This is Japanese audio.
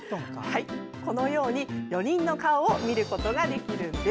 このように４人の顔を見ることができるんです！